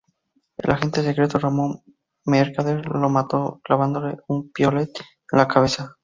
El agente secreto Ramón Mercader lo mató clavándole un piolet en la cabeza.